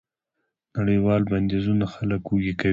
نړیوال بندیزونه خلک وږي کوي.